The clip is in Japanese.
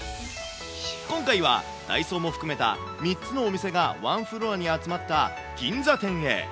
今回は、ダイソーも含めた３つのお店が１フロアに集まった銀座店へ。